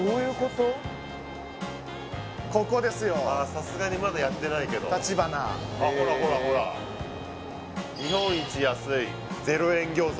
さすがにまだやってないけどたちばなあっほらほらほら「日本一安い０円餃子」